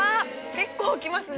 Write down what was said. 結構きますね。